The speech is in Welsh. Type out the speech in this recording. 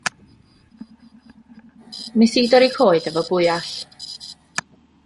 Wnes i dorri coed hefo bwyall.